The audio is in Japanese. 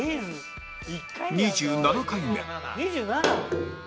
２７回目